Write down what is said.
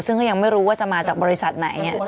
ซึ่งก็ยังไม่รู้ว่าจะมาจากบริษัทไหน